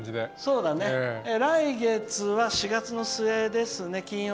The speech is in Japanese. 来月は４月の末ですね。